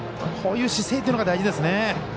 こういう姿勢というのが大事ですね。